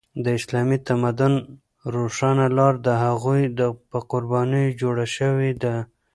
د اسلامي تمدن روښانه لاره د هغوی په قربانیو جوړه شوې ده.